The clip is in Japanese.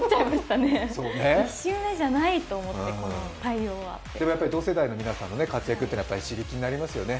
年上じゃないと思って、この対応は。同世代の皆さんの活躍は刺激になりますよね？